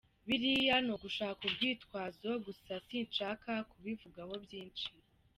Biriya ni ugushaka urwitwazo gusa sinshaka kubivugaho byinshi.